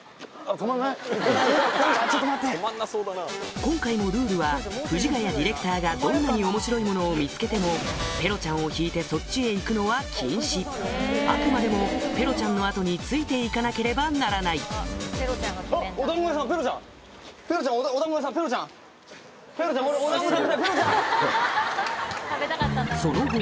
今回もルールは藤ヶ谷ディレクターがどんなに面白いものを見つけてもあくまでもペロちゃんの後についていかなければならないそしてついに！